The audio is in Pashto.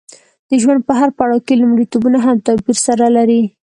د ژوند په هر پړاو کې لومړیتوبونه هم توپیر سره لري.